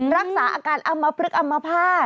รักษาอาการอำมะพลึกอำมะพลาด